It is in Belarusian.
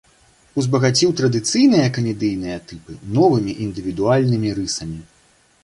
Узбагаціў традыцыйныя камедыйныя тыпы новымі, індывідуальнымі рысамі.